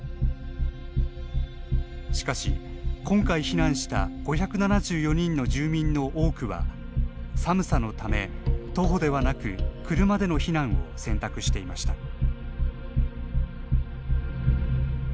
しかし、今回避難した５７４人の住民の多くは寒さのため、徒歩ではなく車での避難を選択していました。